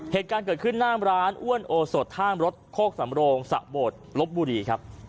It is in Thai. เหตุการณ์เกิดขึ้นหน้าร้านอ้วนโอสดท่ามรถโคกสำโรงสะโบดลบบุรีครับ